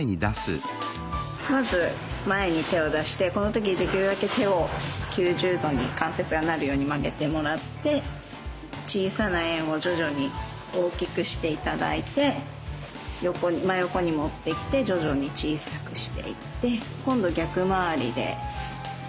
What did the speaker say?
まず前に手を出してこの時できるだけ手を９０度に関節がなるように曲げてもらって小さな円を徐々に大きくして頂いて横に真横に持ってきて徐々に小さくしていって今度逆回りで。